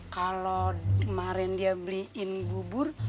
kalo kemaren dia beliin bubur